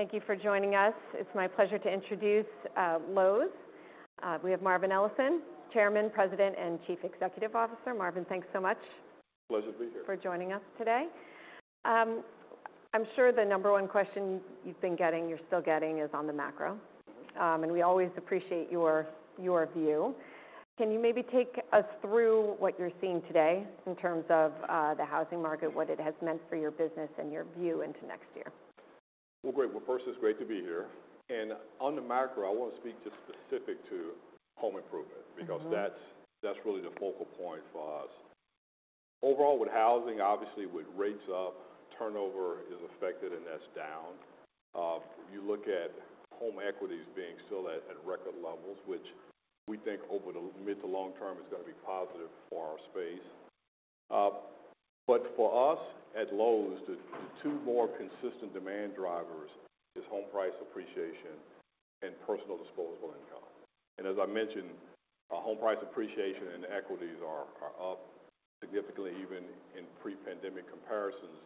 Thank you for joining us. It's my pleasure to introduce Lowe's. We have Marvin Ellison, Chairman, President, and Chief Executive Officer. Marvin, thanks so much. Pleasure to be here. for joining us today. I'm sure the number one question you've been getting, you're still getting, is on the macro. Mm-hmm. We always appreciate your view. Can you maybe take us through what you're seeing today in terms of the housing market, what it has meant for your business, and your view into next year? Well, great. Well, first, it's great to be here. On the macro, I wanna speak just specific to home improvement- Mm-hmm. Because that's, that's really the focal point for us. Overall, with housing, obviously, with rates up, turnover is affected, and that's down. You look at home equity being still at, at record levels, which we think over the mid to long term is gonna be positive for our space. But for us at Lowe's, the, the two more consistent demand drivers is home price appreciation and personal disposable income. And as I mentioned, home price appreciation and equities are, are up significantly, even in pre-pandemic comparisons.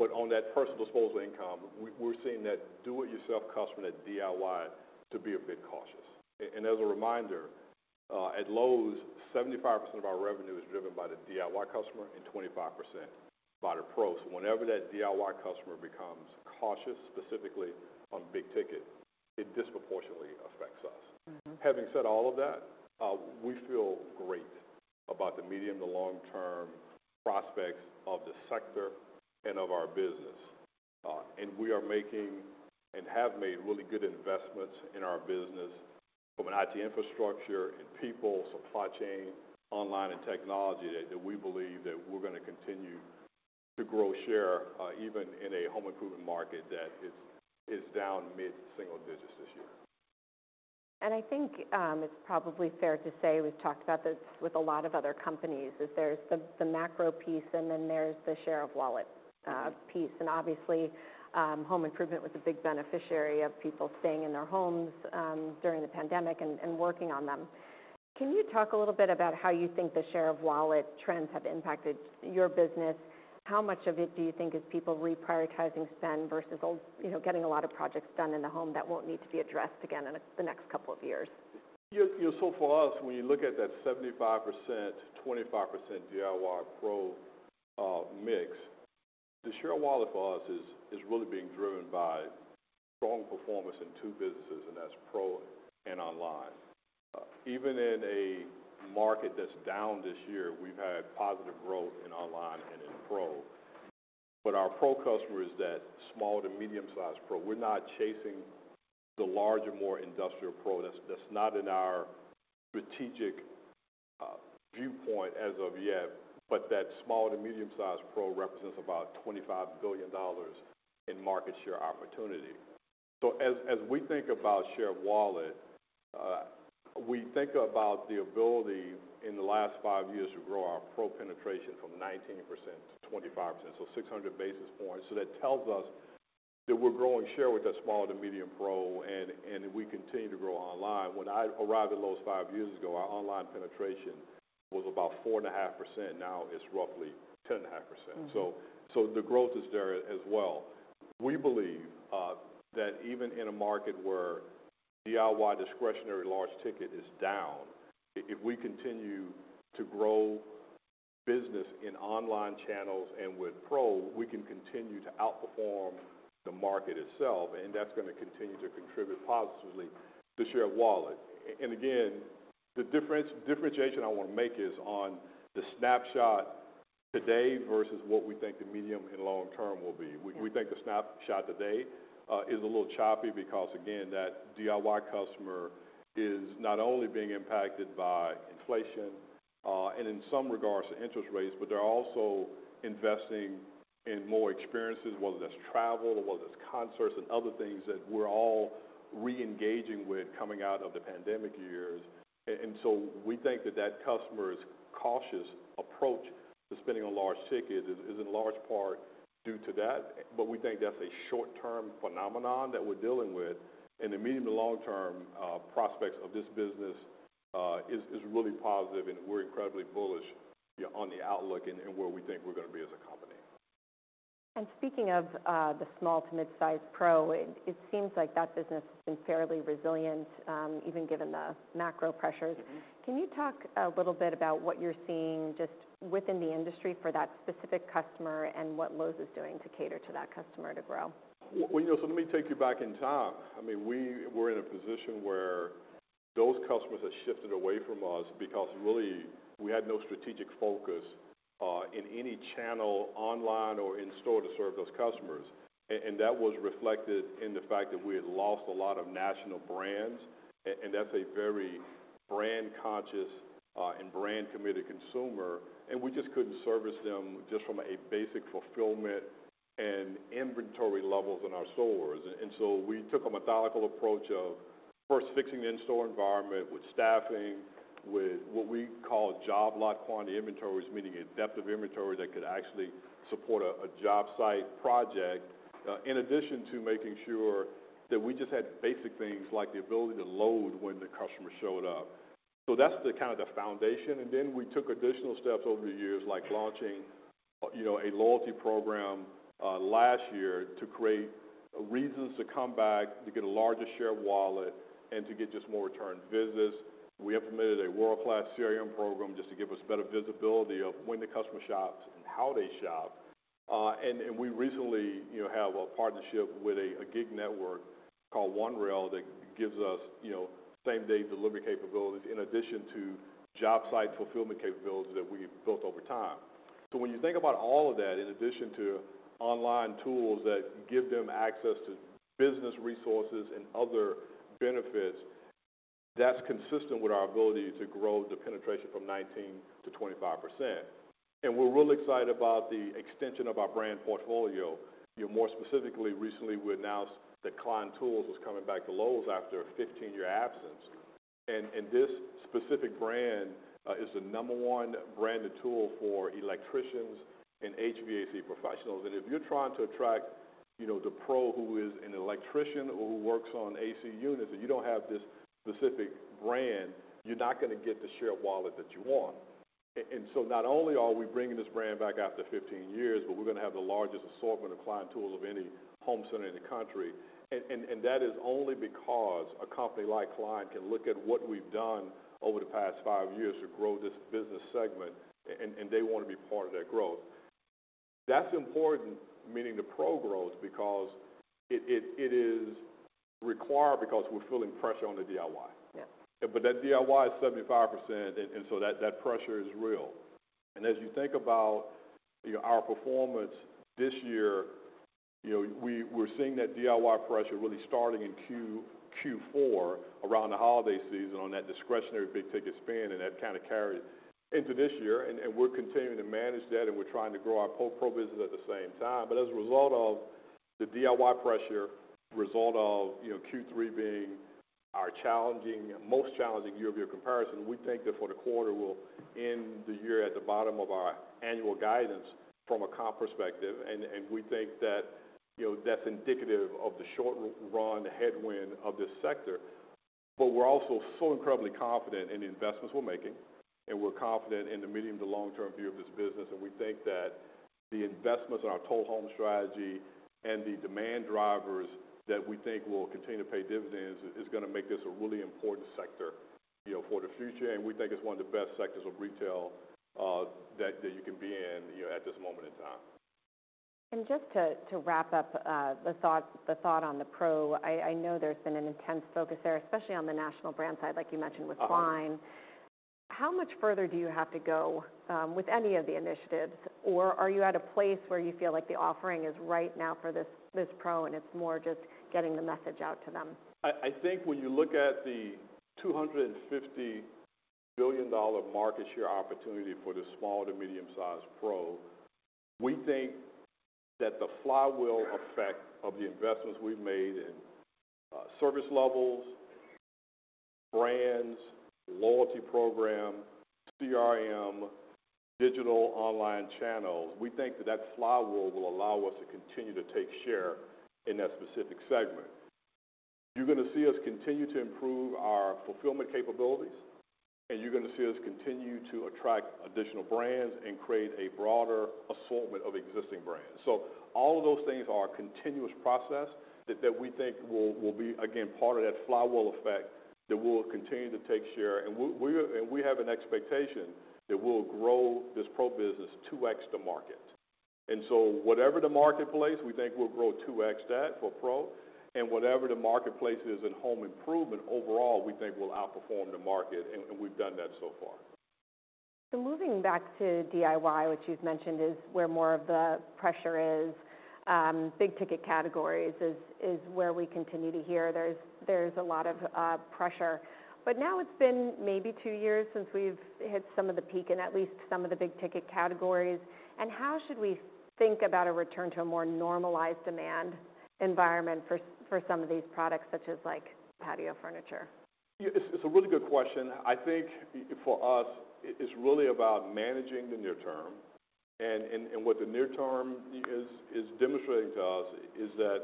But on that personal disposable income, we're seeing that do-it-yourself customer, that DIY, to be a bit cautious. And as a reminder, at Lowe's, 75% of our revenue is driven by the DIY customer, and 25% by the Pros. Whenever that DIY customer becomes cautious, specifically on big ticket, it disproportionately affects us. Mm-hmm. Having said all of that, we feel great about the medium to long-term prospects of the sector and of our business. And we are making, and have made, really good investments in our business, from an IT infrastructure and people, supply chain, online, and technology, that we believe that we're gonna continue to grow share, even in a home improvement market that is down mid-single digits this year. I think it's probably fair to say we've talked about this with a lot of other companies, is there's the macro piece, and then there's the share of wallet piece. Mm-hmm. Obviously, home improvement was a big beneficiary of people staying in their homes during the pandemic and working on them. Can you talk a little bit about how you think the share of wallet trends have impacted your business? How much of it do you think is people reprioritizing spend versus all, you know, getting a lot of projects done in the home that won't need to be addressed again in the next couple of years? Yeah, you know, so for us, when you look at that 75%, 25% DIY Pro mix, the share of wallet for us is, is really being driven by strong performance in two businesses, and that's Pro and online. Even in a market that's down this year, we've had positive growth in online and in Pro. But our Pro customer is that small to medium-sized Pro. We're not chasing the larger, more industrial Pro. That's, that's not in our strategic viewpoint as of yet, but that small to medium-sized Pro represents about $25 billion in market share opportunity. So as, as we think about share of wallet, we think about the ability in the last five years to grow our Pro penetration from 19% to 25%, so 600 basis points. So that tells us that we're growing share with that small to medium Pro, and we continue to grow online. When I arrived at Lowe's 5 years ago, our online penetration was about 4.5%. Now, it's roughly 10.5%. Mm-hmm. So the growth is there as well. We believe that even in a market where DIY discretionary large ticket is down, if we continue to grow business in online channels and with Pro, we can continue to outperform the market itself, and that's gonna continue to contribute positively to share of wallet. And again, the differentiation I want to make is on the snapshot today versus what we think the medium and long term will be. Yeah. We think the snapshot today is a little choppy because, again, that DIY customer is not only being impacted by inflation and in some regards, the interest rates, but they're also investing in more experiences, whether that's travel or whether it's concerts and other things that we're all reengaging with coming out of the pandemic years. And so we think that that customer's cautious approach to spending on large ticket is in large part due to that, but we think that's a short-term phenomenon that we're dealing with. In the medium to long term prospects of this business is really positive, and we're incredibly bullish on the outlook and where we think we're gonna be as a company. Speaking of the small to mid-sized Pro, it seems like that business has been fairly resilient, even given the macro pressures. Mm-hmm. Can you talk a little bit about what you're seeing just within the industry for that specific customer, and what Lowe's is doing to cater to that customer to grow? Well, you know, so let me take you back in time. I mean, we were in a position where those customers had shifted away from us because really we had no strategic focus in any channel, online or in-store, to serve those customers. And that was reflected in the fact that we had lost a lot of national brands, and that's a very brand-conscious and brand-committed consumer, and we just couldn't service them just from a basic fulfillment and inventory levels in our stores. And so we took a methodical approach of first fixing the in-store environment with staffing, with what we call Job Lot Quantity inventories, meaning a depth of inventory that could actually support a job site project, in addition to making sure that we just had basic things like the ability to load when the customer showed up. So that's the kind of the foundation, and then we took additional steps over the years, like launching, you know, a loyalty program last year to create reasons to come back, to get a larger share of wallet, and to get just more return visits. We implemented a world-class CRM program just to give us better visibility of when the customer shops and how they shop. And we recently, you know, have a partnership with a gig network called OneRail, that gives us, you know, same-day delivery capabilities in addition to job site fulfillment capabilities that we've built over time. So when you think about all of that, in addition to online tools that give them access to business resources and other benefits, that's consistent with our ability to grow the penetration from 19%-25%. We're really excited about the extension of our brand portfolio. You know, more specifically, recently, we announced that Klein Tools was coming back to Lowe's after a 15-year absence. And this specific brand is the number one branded tool for electricians and HVAC professionals. And if you're trying to attract, you know, the Pro who is an electrician or who works on AC units, and you don't have this specific brand, you're not gonna get the share of wallet that you want. And so not only are we bringing this brand back after 15 years, but we're gonna have the largest assortment of Klein Tools of any home center in the country. And that is only because a company like Klein can look at what we've done over the past five years to grow this business segment, and they want to be part of that growth. That's important, meaning the Pro growth, because it is required because we're feeling pressure on the DIY. Yeah. But that DIY is 75%, and so that pressure is real. And as you think about, you know, our performance this year, you know, we're seeing that DIY pressure really starting in Q4, around the holiday season, on that discretionary big ticket spend, and that kinda carried into this year. And we're continuing to manage that, and we're trying to grow our Pro business at the same time. But as a result of the DIY pressure, result of, you know, Q3 being our most challenging year-over-year comparison, we think that for the quarter, we'll end the year at the bottom of our annual guidance from a comp perspective. And we think that, you know, that's indicative of the short run headwind of this sector. We're also so incredibly confident in the investments we're making, and we're confident in the medium to long-term view of this business. We think that the investments in our Total Home Strategy and the demand drivers that we think will continue to pay dividends is gonna make this a really important sector, you know, for the future. We think it's one of the best sectors of retail, that, that you can be in, you know, at this moment in time. Just to wrap up the thought on the Pro, I know there's been an intense focus there, especially on the national brand side, like you mentioned with Klein. Uh-huh. How much further do you have to go with any of the initiatives? Or are you at a place where you feel like the offering is right now for this, this Pro, and it's more just getting the message out to them? I think when you look at the $250 billion market share opportunity for the small to medium-sized Pro, we think that the flywheel effect of the investments we've made in service levels, brands, loyalty program, CRM, digital online channels, we think that that flywheel will allow us to continue to take share in that specific segment. You're gonna see us continue to improve our fulfillment capabilities, and you're gonna see us continue to attract additional brands and create a broader assortment of existing brands. So all of those things are a continuous process that we think will be, again, part of that flywheel effect that will continue to take share. And we have an expectation that we'll grow this Pro business 2x the market. And so whatever the marketplace, we think we'll grow 2x that for Pro, and whatever the marketplace is in home improvement overall, we think we'll outperform the market, and we've done that so far. So moving back to DIY, which you've mentioned is where more of the pressure is, big ticket categories is where we continue to hear there's a lot of pressure. But now it's been maybe two years since we've hit some of the peak in at least some of the big ticket categories. And how should we think about a return to a more normalized demand environment for some of these products, such as, like, patio furniture? Yeah, it's a really good question. I think for us, it's really about managing the near term. And what the near term is, is demonstrating to us is that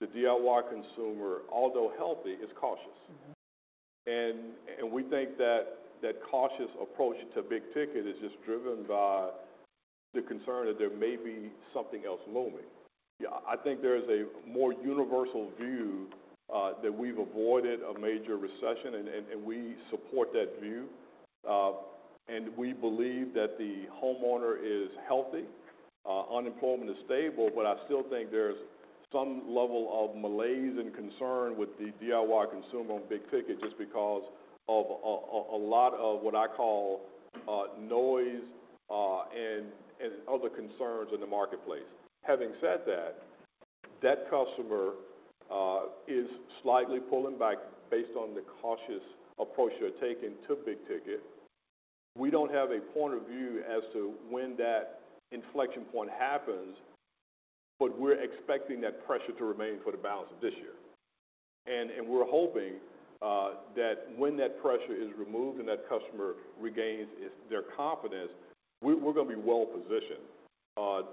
the DIY consumer, although healthy, is cautious. Mm-hmm. We think that that cautious approach to big ticket is just driven by the concern that there may be something else looming. Yeah, I think there is a more universal view that we've avoided a major recession, and we support that view. And we believe that the homeowner is healthy, unemployment is stable, but I still think there's some level of malaise and concern with the DIY consumer on big ticket, just because of a lot of what I call noise, and other concerns in the marketplace. Having said that, that customer is slightly pulling back based on the cautious approach they're taking to big ticket. We don't have a point of view as to when that inflection point happens, but we're expecting that pressure to remain for the balance of this year. We're hoping that when that pressure is removed and that customer regains its- their confidence, we're gonna be well positioned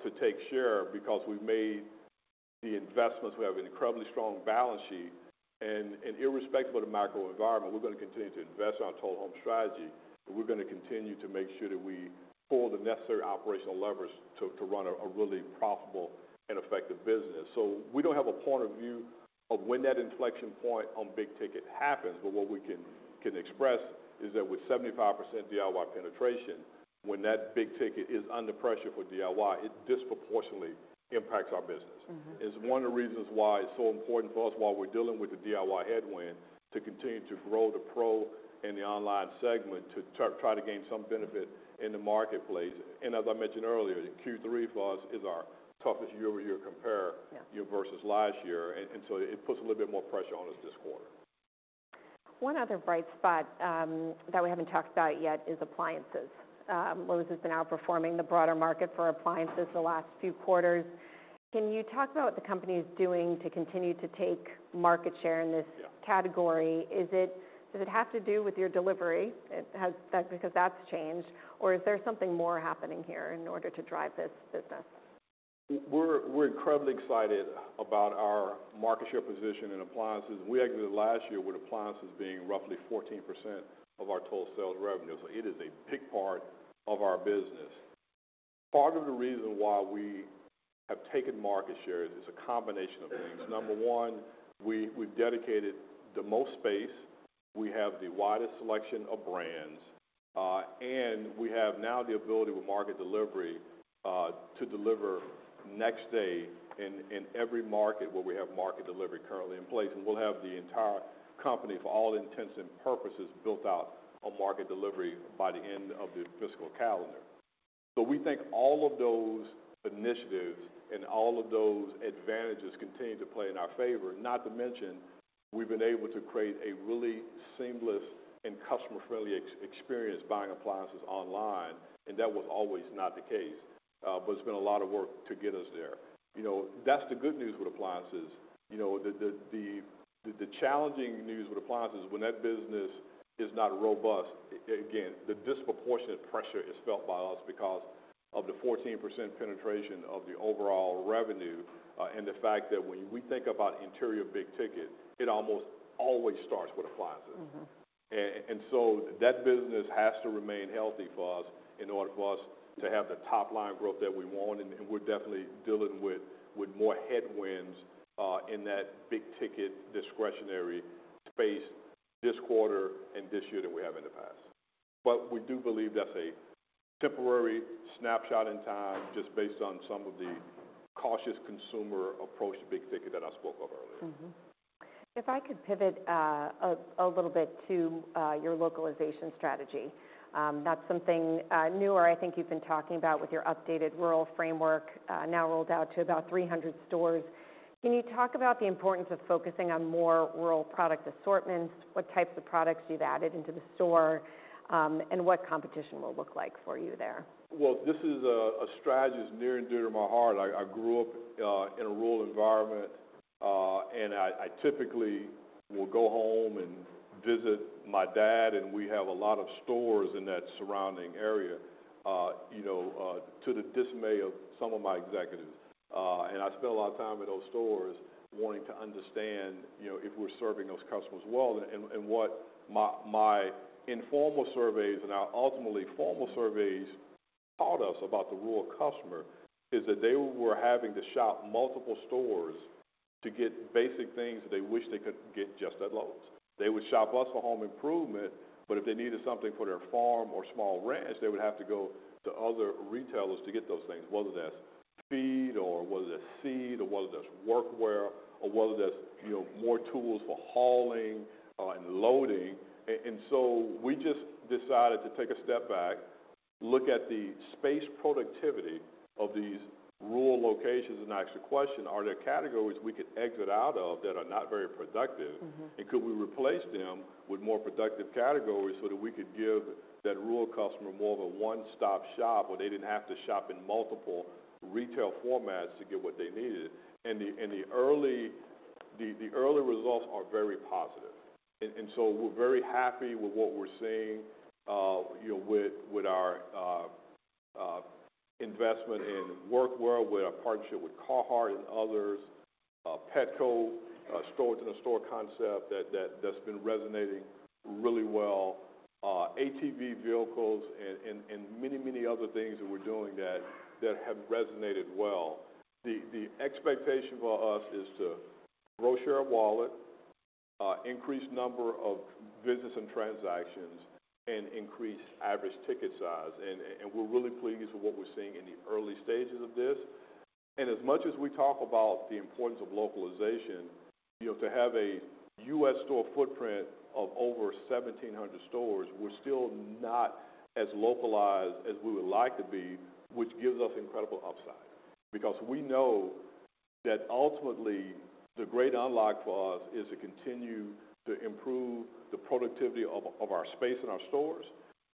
to take share because we've made the investments. We have an incredibly strong balance sheet, and irrespective of the macro environment, we're gonna continue to invest in our Total Home Strategy, but we're gonna continue to make sure that we pull the necessary operational levers to run a really profitable and effective business. So we don't have a point of view of when that inflection point on big ticket happens, but what we can express is that with 75% DIY penetration, when that big ticket is under pressure for DIY, it disproportionately impacts our business. Mm-hmm. It's one of the reasons why it's so important for us, while we're dealing with the DIY headwind, to continue to grow the Pro and the online segment to try, try to gain some benefit in the marketplace. And as I mentioned earlier, Q3 for us is our toughest year-over-year compare- Yeah versus last year, and, and so it puts a little bit more pressure on us this quarter. One other bright spot that we haven't talked about yet is appliances. Lowe's has been outperforming the broader market for appliances the last few quarters. Can you talk about what the company is doing to continue to take market share in this- Yeah Category? Is it... Does it have to do with your delivery? It has because that's changed, or is there something more happening here in order to drive this business? We're incredibly excited about our market share position in appliances. We exited last year with appliances being roughly 14% of our total sales revenue, so it is a big part of our business. Part of the reason why we have taken market share is it's a combination of things. Number one, we've dedicated the most space, we have the widest selection of brands, and we have now the ability with Market Delivery to deliver next day in every market where we have Market Delivery currently in place, and we'll have the entire company, for all intents and purposes, built out on Market Delivery by the end of the fiscal calendar. So we think all of those initiatives and all of those advantages continue to play in our favor. Not to mention, we've been able to create a really seamless and customer-friendly experience buying appliances online, and that was always not the case. But it's been a lot of work to get us there. You know, that's the good news with appliances. You know, the challenging news with appliances, when that business is not robust, again, the disproportionate pressure is felt by us because of the 14% penetration of the overall revenue, and the fact that when we think about interior big ticket, it almost always starts with appliances. Mm-hmm. And so that business has to remain healthy for us in order for us to have the top-line growth that we want, and we're definitely dealing with more headwinds in that big ticket, discretionary space this quarter and this year than we have in the past. But we do believe that's a temporary snapshot in time, just based on some of the cautious consumer approach to big ticket that I spoke of earlier. Mm-hmm. If I could pivot a little bit to your localization strategy. That's something newer, I think you've been talking about with your updated rural framework, now rolled out to about 300 stores. Can you talk about the importance of focusing on more rural product assortments, what types of products you've added into the store, and what competition will look like for you there? Well, this is a strategy that's near and dear to my heart. I grew up in a rural environment, and I typically will go home and visit my dad, and we have a lot of stores in that surrounding area, you know, to the dismay of some of my executives. And I spend a lot of time in those stores wanting to understand, you know, if we're serving those customers well. And what my informal surveys and our ultimately formal surveys taught us about the rural customer is that they were having to shop multiple stores to get basic things that they wish they could get just at Lowe's. They would shop us for home improvement, but if they needed something for their farm or small ranch, they would have to go to other retailers to get those things, whether that's feed or whether that's seed or whether that's workwear or whether that's, you know, more tools for hauling and loading. And so we just decided to take a step back, look at the space productivity of these rural locations and ask the question: Are there categories we could exit out of that are not very productive? Mm-hmm. Could we replace them with more productive categories so that we could give that rural customer more of a one-stop shop, where they didn't have to shop in multiple retail formats to get what they needed? The early results are very positive, and so we're very happy with what we're seeing, you know, with our investment in workwear, with our partnership with Carhartt and others, Petco store-within-a-store concept that's been resonating really well, ATV vehicles and many other things that we're doing that have resonated well. The expectation for us is to grow share of wallet, increase number of visits and transactions, and increase average ticket size. And we're really pleased with what we're seeing in the early stages of this. And as much as we talk about the importance of localization, you know, to have a U.S. store footprint of over 1,700 stores, we're still not as localized as we would like to be, which gives us incredible upside. Because we know that ultimately, the great unlock for us is to continue to improve the productivity of our space in our stores.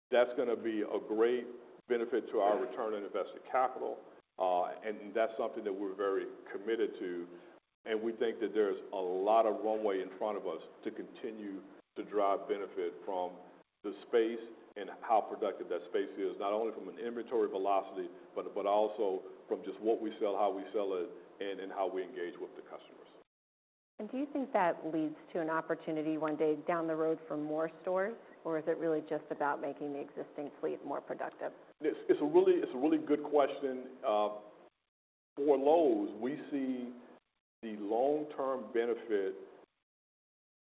That's gonna be a great benefit to our return on invested capital, and that's something that we're very committed to, and we think that there's a lot of runway in front of us to continue to drive benefit from the space and how productive that space is, not only from an inventory velocity, but also from just what we sell, how we sell it, and how we engage with the customers. Do you think that leads to an opportunity one day down the road for more stores, or is it really just about making the existing fleet more productive? It's a really good question. For Lowe's, we see the long-term benefit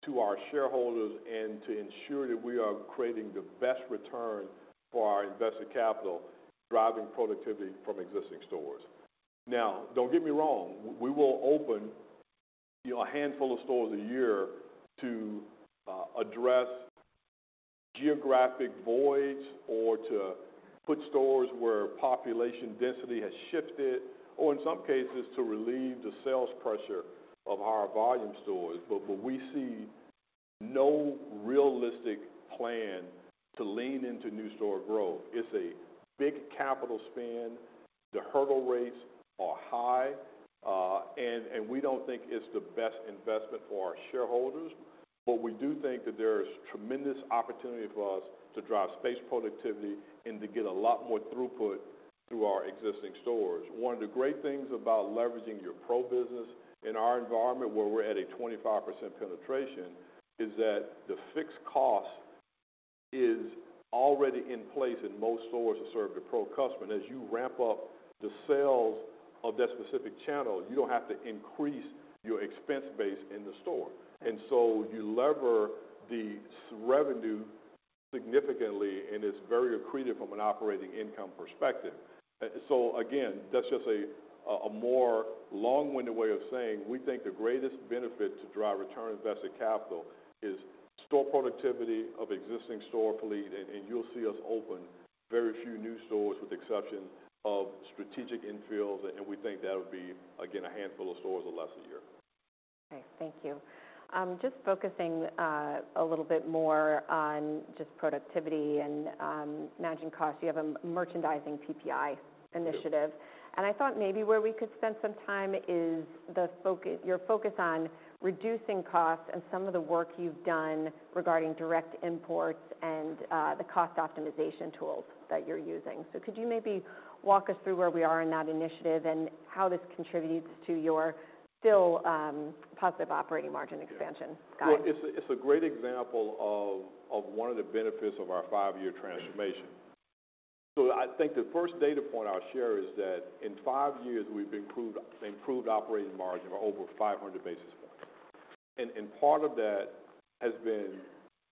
to our shareholders and to ensure that we are creating the best return for our invested capital, driving productivity from existing stores. Now, don't get me wrong, we will open, you know, a handful of stores a year to address geographic voids or to put stores where population density has shifted, or in some cases, to relieve the sales pressure of our volume stores. But we see no realistic plan to lean into new store growth. It's a big capital spend. The hurdle rates are high, and we don't think it's the best investment for our shareholders. But we do think that there is tremendous opportunity for us to drive space productivity and to get a lot more throughput through our existing stores. One of the great things about leveraging your Pro business in our environment, where we're at a 25% penetration, is that the fixed cost is already in place, and most stores have served the Pro customer. As you ramp up the sales of that specific channel, you don't have to increase your expense base in the store. So you lever the revenue significantly, and it's very accretive from an operating income perspective. So again, that's just a more long-winded way of saying, we think the greatest benefit to drive return on invested capital is store productivity of existing store fleet, and you'll see us open very few new stores, with the exception of strategic infills, and we think that would be, again, a handful of stores or less a year. Okay, thank you. Just focusing a little bit more on just productivity and managing costs. You have a merchandising PPI initiative- Yes. And I thought maybe where we could spend some time is the focus, your focus on reducing costs and some of the work you've done regarding direct imports and the cost optimization tools that you're using. So could you maybe walk us through where we are in that initiative, and how this contributes to your still positive operating margin expansion. Yeah. -guide? Well, it's a great example of one of the benefits of our five-year transformation. So I think the first data point I'll share is that in five years, we've improved operating margin by over 500 basis points. And part of that has been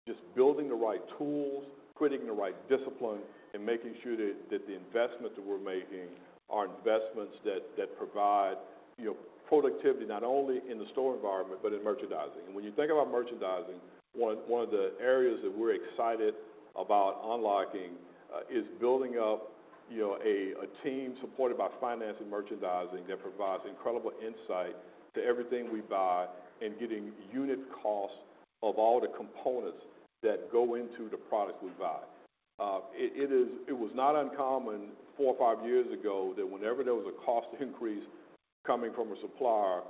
just building the right tools, putting the right discipline, and making sure that the investments that we're making are investments that provide, you know, productivity, not only in the store environment, but in merchandising. When you think about merchandising, one of the areas that we're excited about unlocking is building up, you know, a team supported by finance and merchandising that provides incredible insight to everything we buy, and getting unit costs of all the components that go into the products we buy. It was not uncommon four or five years ago, that whenever there was a cost increase coming from a supplier,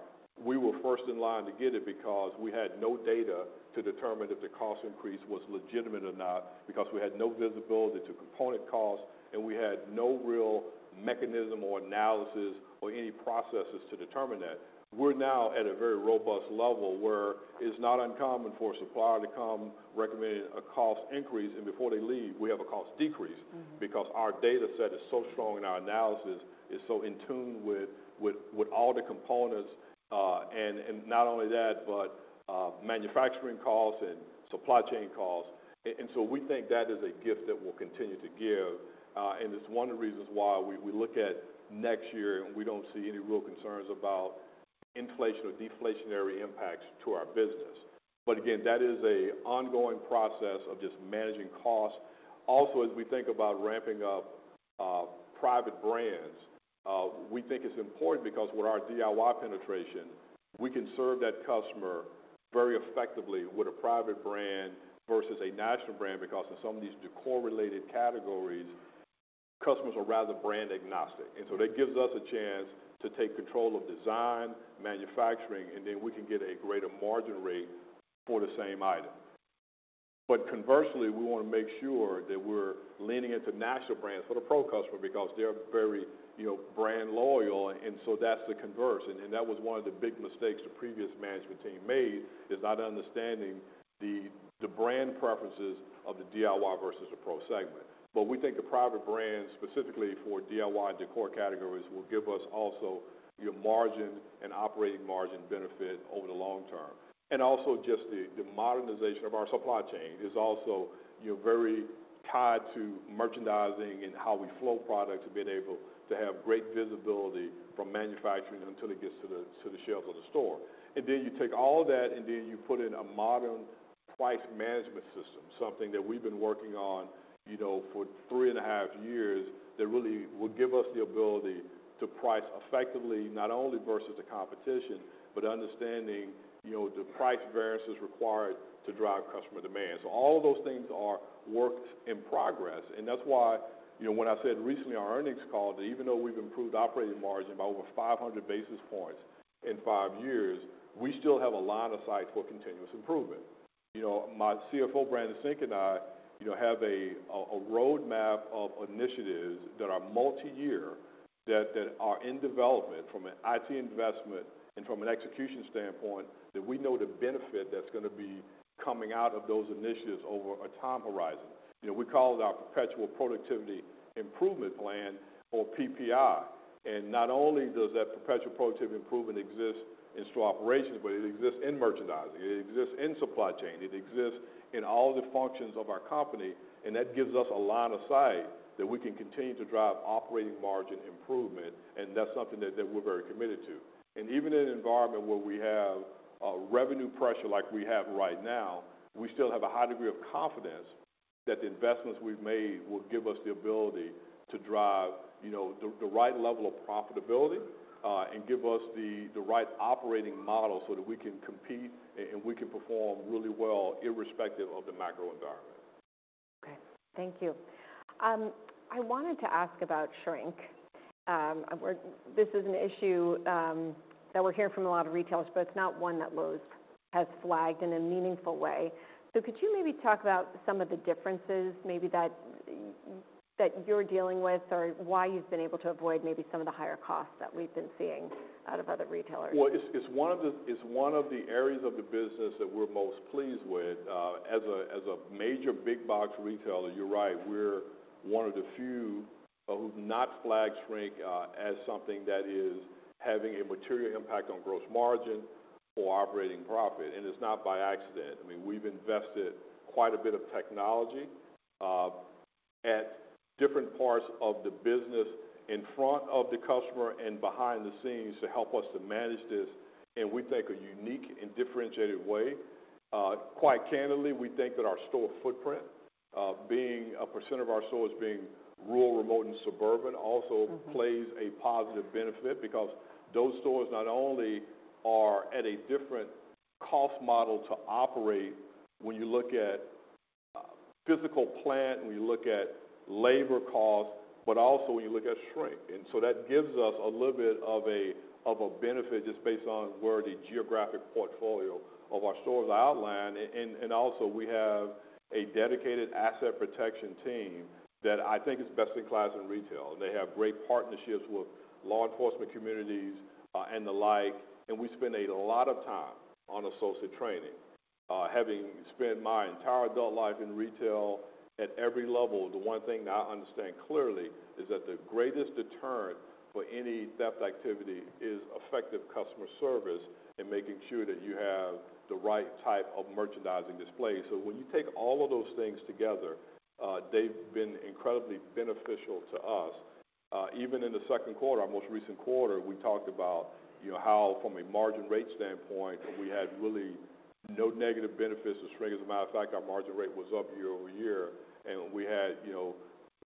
we were first in line to get it because we had no data to determine if the cost increase was legitimate or not, because we had no visibility to component costs, and we had no real mechanism or analysis or any processes to determine that. We're now at a very robust level, where it's not uncommon for a supplier to come recommending a cost increase, and before they leave, we have a cost decrease. Mm-hmm. Because our data set is so strong and our analysis is so in tune with all the components, and not only that, but manufacturing costs and supply chain costs. And so we think that is a gift that will continue to give, and it's one of the reasons why we look at next year, and we don't see any real concerns about inflation or deflationary impacts to our business. But again, that is an ongoing process of just managing costs. Also, as we think about ramping up private brands, we think it's important because with our DIY penetration, we can serve that customer very effectively with a private brand versus a national brand, because in some of these decor-related categories, customers are rather brand agnostic. And so that gives us a chance to take control of design, manufacturing, and then we can get a greater margin rate for the same item. But conversely, we want to make sure that we're leaning into national brands for the Pro customer because they're very, you know, brand loyal, and so that's the converse. And that was one of the big mistakes the previous management team made, is not understanding the brand preferences of the DIY versus the Pro segment. But we think the private brands, specifically for DIY decor categories, will give us also your margin and operating margin benefit over the long term. Also, just the modernization of our supply chain is also, you know, very tied to merchandising and how we flow product, to being able to have great visibility from manufacturing until it gets to the shelves of the store. And then you take all that, and then you put in a modern price management system, something that we've been working on, you know, for 3.5 years, that really will give us the ability to price effectively, not only versus the competition, but understanding, you know, the price variances required to drive customer demand. So all those things are works in progress, and that's why, you know, when I said recently in our earnings call, that even though we've improved operating margin by over 500 basis points in 5 years, we still have a line of sight for continuous improvement. You know, my CFO, Brandon Sink, and I, you know, have a roadmap of initiatives that are multi-year that are in development from an IT investment and from an execution standpoint, that we know the benefit that's gonna be coming out of those initiatives over a time horizon. You know, we call it our Perpetual Productivity Improvement plan, or PPI. And not only does that Perpetual Productivity Improvement exist in store operations, but it exists in merchandising, it exists in supply chain, it exists in all the functions of our company, and that gives us a line of sight that we can continue to drive operating margin improvement, and that's something that we're very committed to. Even in an environment where we have revenue pressure like we have right now, we still have a high degree of confidence that the investments we've made will give us the ability to drive, you know, the right level of profitability, and give us the right operating model so that we can compete and we can perform really well, irrespective of the macro environment. Okay, thank you. I wanted to ask about shrink. We're—this is an issue that we're hearing from a lot of retailers, but it's not one that Lowe's has flagged in a meaningful way. So could you maybe talk about some of the differences maybe that you're dealing with, or why you've been able to avoid maybe some of the higher costs that we've been seeing out of other retailers? Well, it's one of the areas of the business that we're most pleased with. As a major big box retailer, you're right, we're one of the few who've not flagged shrink as something that is having a material impact on gross margin or operating profit, and it's not by accident. I mean, we've invested quite a bit of technology at different parts of the business, in front of the customer and behind the scenes, to help us to manage this, and we take a unique and differentiated way. Quite candidly, we think that our store footprint being a percent of our stores being rural, remote, and suburban, also- Mm-hmm... plays a positive benefit because those stores not only are at a different cost model to operate when you look at, physical plant, when you look at labor costs, but also when you look at shrink. And so that gives us a little bit of a benefit just based on where the geographic portfolio of our stores are outlined. And also, we have a dedicated asset protection team that I think is best in class in retail. They have great partnerships with law enforcement communities, and the like, and we spend a lot of time on associate training. Having spent my entire adult life in retail at every level, the one thing that I understand clearly is that the greatest deterrent for any theft activity is effective customer service and making sure that you have the right type of merchandising display. So when you take all of those things together, they've been incredibly beneficial to us. Even in the second quarter, our most recent quarter, we talked about, you know, how from a margin rate standpoint, we had really no negative benefits to shrink. As a matter of fact, our margin rate was up year-over-year, and we had, you know,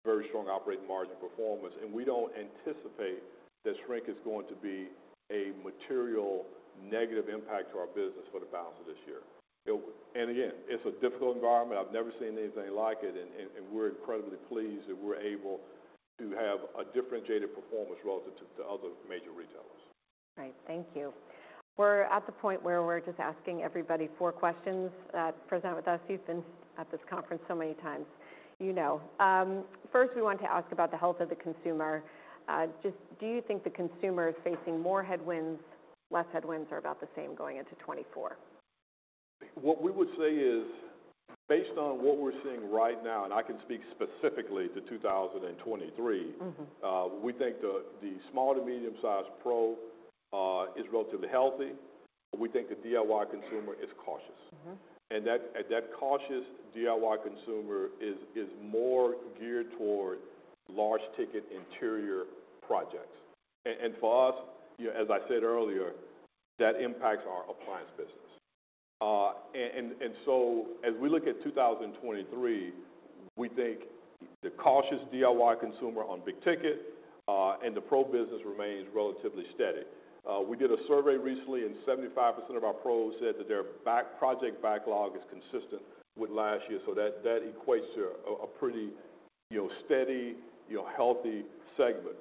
very strong operating margin performance. And we don't anticipate that shrink is going to be a material negative impact to our business for the balance of this year. It and again, it's a difficult environment. I've never seen anything like it, and we're incredibly pleased that we're able to have a differentiated performance relative to other major retailers. All right, thank you. We're at the point where we're just asking everybody four questions. Present with us, you've been at this conference so many times, you know. First, we want to ask about the health of the consumer. Just do you think the consumer is facing more headwinds, less headwinds, or about the same going into 2024? What we would say is, based on what we're seeing right now, and I can speak specifically to 2023- Mm-hmm... we think the, the small to medium-sized Pro is relatively healthy, but we think the DIY consumer is cautious. Mm-hmm. That cautious DIY consumer is more geared toward large-ticket interior projects. And for us, you know, as I said earlier, that impacts our appliance business. And so as we look at 2023, we think the cautious DIY consumer on big ticket, and the pro business remains relatively steady. We did a survey recently, and 75% of our pros said that their project backlog is consistent with last year, so that equates to a pretty, you know, steady, you know, healthy segment,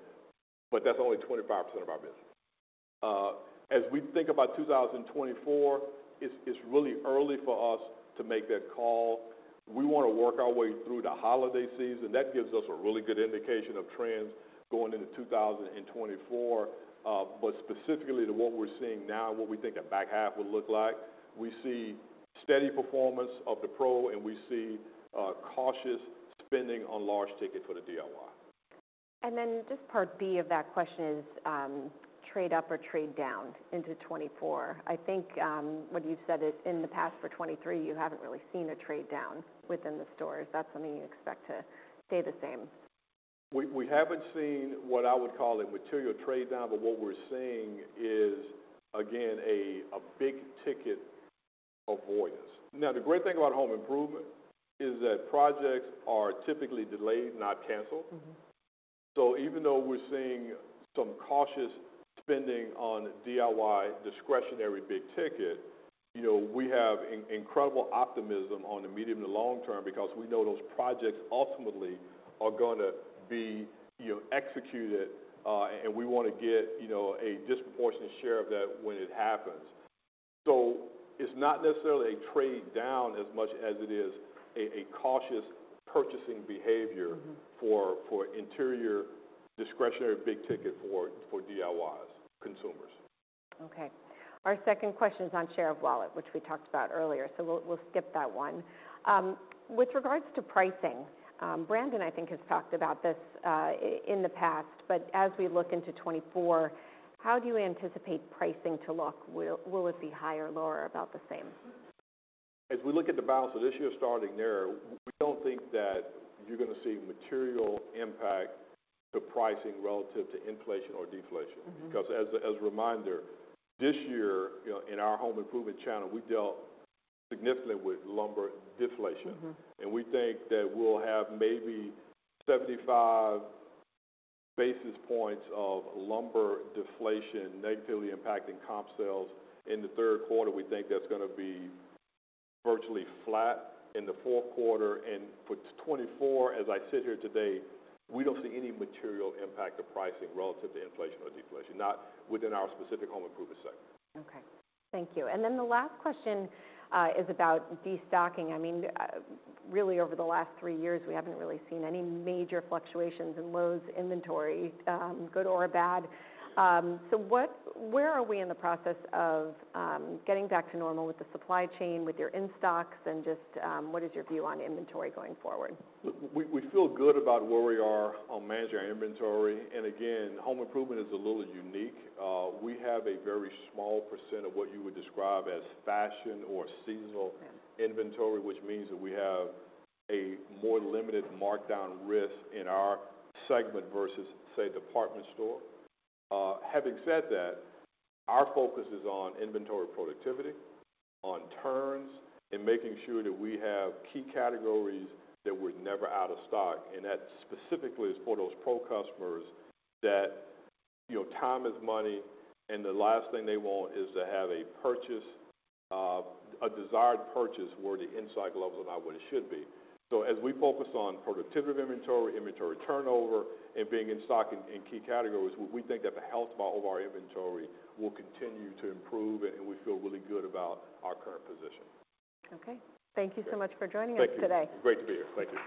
but that's only 25% of our business. As we think about 2024, it's really early for us to make that call. We wanna work our way through the holiday season. That gives us a really good indication of trends going into 2024. Specifically to what we're seeing now and what we think the back half will look like, we see steady performance of the Pro, and we see cautious spending on large-ticket for the DIY. And then just part B of that question is, trade up or trade down into 2024? I think, when you said it in the past for 2023, you haven't really seen a trade down within the stores. Is that something you expect to stay the same? We haven't seen what I would call a material trade down, but what we're seeing is, again, a big ticket avoidance. Now, the great thing about home improvement is that projects are typically delayed, not canceled. Mm-hmm. So even though we're seeing some cautious spending on DIY discretionary big ticket, you know, we have incredible optimism on the medium to long term because we know those projects ultimately are gonna be, you know, executed, and we want to get, you know, a disproportionate share of that when it happens.... So it's not necessarily a trade down as much as it is a cautious purchasing behavior- Mm-hmm. for interior discretionary big ticket for DIYs consumers. Okay. Our second question is on share of wallet, which we talked about earlier, so we'll skip that one. With regards to pricing, Brandon, I think, has talked about this in the past, but as we look into 2024, how do you anticipate pricing to look? Will it be higher, lower, about the same? As we look at the balance of this year, starting there, we don't think that you're gonna see material impact to pricing relative to inflation or deflation. Mm-hmm. Because as a reminder, this year, you know, in our home improvement channel, we dealt significantly with lumber deflation. Mm-hmm. We think that we'll have maybe 75 basis points of lumber deflation negatively impacting comp sales in the third quarter. We think that's gonna be virtually flat in the fourth quarter. For 2024, as I sit here today, we don't see any material impact of pricing relative to inflation or deflation, not within our specific home improvement segment. Okay, thank you. And then the last question is about destocking. I mean, really, over the last three years, we haven't really seen any major fluctuations in Lowe's inventory, good or bad. So, where are we in the process of getting back to normal with the supply chain, with your in-stocks, and just, what is your view on inventory going forward? We feel good about where we are on managing our inventory, and again, home improvement is a little unique. We have a very small percent of what you would describe as fashion or seasonal- Yeah -inventory, which means that we have a more limited markdown risk in our segment versus, say, department store. Having said that, our focus is on inventory productivity, on turns, and making sure that we have key categories that we're never out of stock, and that specifically is for those Pro customers that, you know, time is money, and the last thing they want is to have a purchase, a desired purchase, where the inside level is not what it should be. So as we focus on productivity of inventory, inventory turnover, and being in stock in key categories, we think that the health of our inventory will continue to improve, and we feel really good about our current position. Okay. Thank you so much for joining us today. Thank you. Great to be here. Thank you.